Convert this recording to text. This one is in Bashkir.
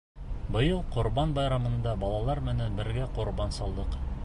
— Быйыл Ҡорбан байрамында балалар менән бергә ҡорбан салдыҡ.